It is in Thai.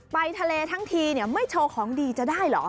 ไปทะเลทั้งทีไม่โชว์ของดีจะได้เหรอ